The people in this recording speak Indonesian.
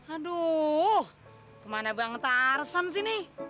aduh kemana bang tarzan sih nih